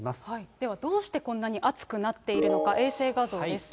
ではどうしてこんなに暑くなっているのか、衛星画像です。